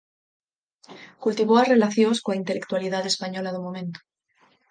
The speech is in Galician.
Cultivou as relacións coa intelectualidade española do momento.